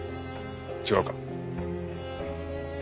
違うか？